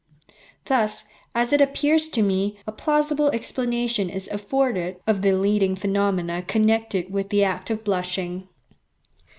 Thus, as it appears to me, a plausible explanation is afforded of the leading phenomena connected with the act of blushing.